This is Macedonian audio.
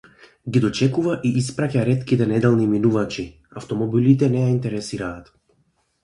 Ги дочекува и испраќа ретките неделни минувачи, автомобилите не ја интересираат.